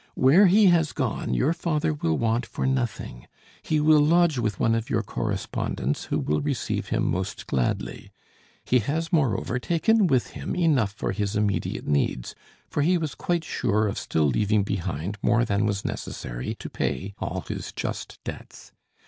Where he has gone your father will want for nothing; he will lodge with one of your correspondents, who will receive him most gladly; he has moreover taken with him enough for his immediate needs, for he was quite sure of still leaving behind more than was necessary to pay all his just debts.